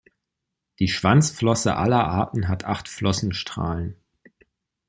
Die Schwanzflosse aller Arten hat acht Flossenstrahlen.